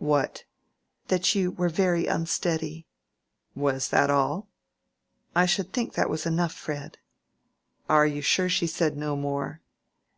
"What?" "That you were very unsteady." "Was that all?" "I should think that was enough, Fred." "You are sure she said no more?"